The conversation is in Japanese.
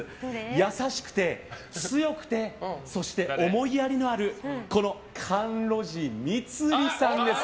優しくて強くてそして思いやりのあるこの甘露寺蜜璃さんです。